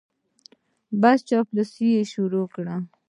بس چاپلوسي یې شروع کړه.